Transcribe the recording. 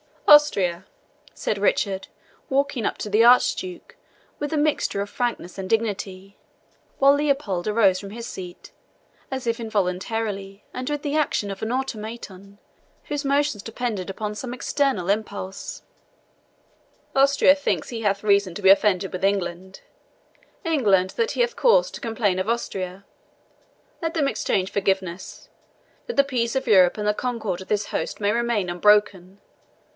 "Austria," said Richard, walking up to the Archduke, with a mixture of frankness and dignity, while Leopold arose from his seat, as if involuntarily, and with the action of an automaton, whose motions depended upon some external impulse "Austria thinks he hath reason to be offended with England; England, that he hath cause to complain of Austria. Let them exchange forgiveness, that the peace of Europe and the concord of this host may remain unbroken.